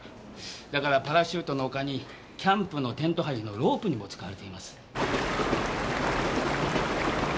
だからパラシュートの他にキャンプのテント張りのロープにも使われています。